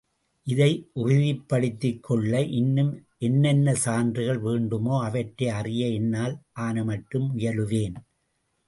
இதை உறுதிப்படுத்திக் கொள்ள இன்னும் என்னென்ன சான்றுகள் வேண்டுமோ அவற்றை அறிய என்னால் ஆனமட்டும் முயலுவேன்.